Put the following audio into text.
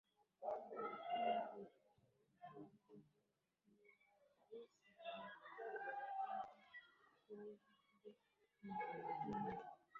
aa pindi pale viongozi wao wanapokwenda kombo lakini pia